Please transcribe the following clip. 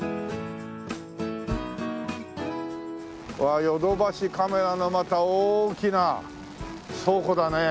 ああヨドバシカメラのまた大きな倉庫だね。